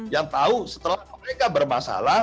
yang tahu setelah mereka bermasalah